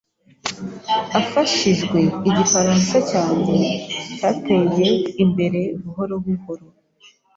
Afashijwe, Igifaransa cyanjye cyateye imbere buhoro buhoro.